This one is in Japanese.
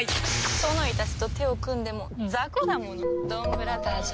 ソノイたちと手を組んでも雑魚だものドンブラザーズは。